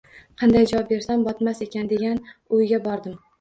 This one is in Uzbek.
Qanday javob bersam “botmas” ekin degan o’yga bordim.